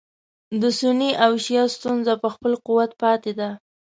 د سني او شیعه ستونزه په خپل قوت پاتې ده.